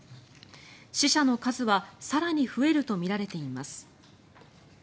死者の数は更に増えるとみられています。